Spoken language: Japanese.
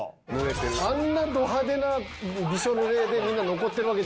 あんなど派手なもうびしょ濡れでみんな残ってるわけじゃないですか。